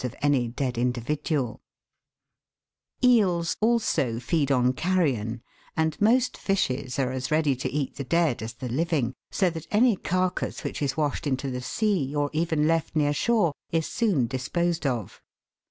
231 Eels also feed on carrion, and most fishes are as ready to eat the dead as the living, so that any carcass which is washed into the sea, or even left near shore, is soon dis posed of.